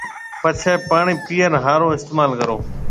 پڇيَ پاڻِي پيئڻ هارو استعمال ڪرو